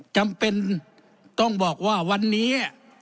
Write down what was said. จำเป็นต้องบอกว่าวันนี้